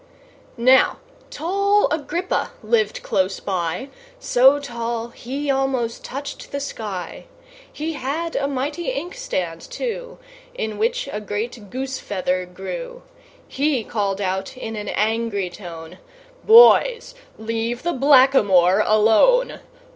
Now tall Agrippa lived close by So tall, he almost touched the sky; He had a mighty inkstand, too, In which a great goose feather grew; He called out in an angry tone "Boys, leave the Black a moor alone!